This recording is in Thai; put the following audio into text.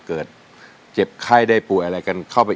ขอบคุณครับ